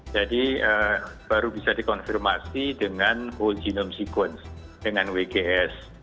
jadi baru bisa dikonfirmasi dengan whole genome sequence dengan wgs